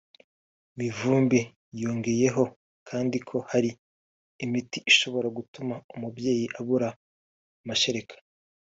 Mivumbi yongeyeho kandi ko hari n’imiti ishobora gutuma umubyeyi abura amashereka